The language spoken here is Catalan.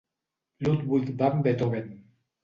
Ludwig van Beethoven.